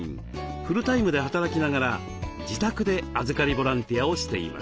フルタイムで働きながら自宅で預かりボランティアをしています。